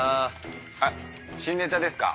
あっ新ネタですか？